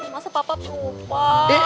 masa bapak lupa